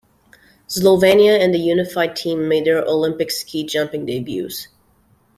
Slovenia and the Unified Team made their Olympic ski jumping debuts.